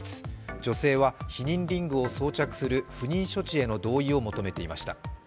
女性は避妊リングを装着する不妊処置への同意を求めていました。